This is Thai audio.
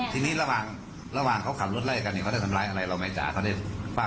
ทีนี้ระหว่างเขาขับรถไล่กันเนี่ยเขาได้ทำร้ายอะไรเราไหมจ๋าเขาได้ฟาด